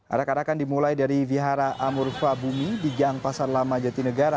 arak arakan dimulai dari vihara amur fah bumi di jang pasar lama jatinegara